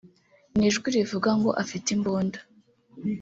n’ijwi rivuga ngo “afite imbunda”